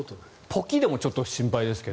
ポキッでもちょっと心配ですが。